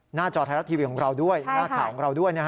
จอไทยรัฐทีวีของเราด้วยหน้าข่าวของเราด้วย